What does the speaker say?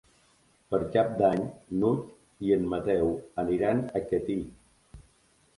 Per Cap d'Any n'Hug i en Mateu aniran a Catí.